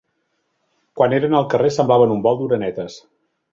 Quan eren al carrer semblaven un vol d'orenetes